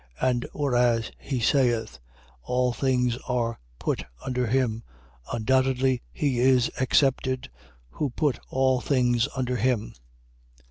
And whereas he saith: 15:27. All things are put under him; undoubtedly, he is excepted, who put all things under him.